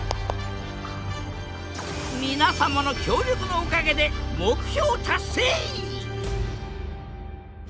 皆様の協力のおかげで目標達成！